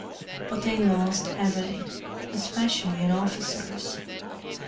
But they lost heavily, especially in officers.